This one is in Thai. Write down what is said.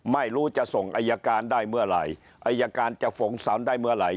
ไม่รู้จะส่งอายการได้เมื่อไหร่อายการจะฝงสารได้เมื่อไหร่